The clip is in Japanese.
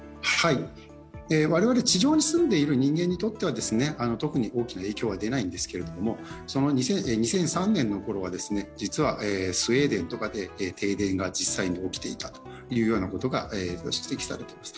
我々地上に住んでいる人間にとっては特に大きな影響は出ないんですけれども、２００３年のころは実はスウェーデンとかで停電が起きていたということが分かっています。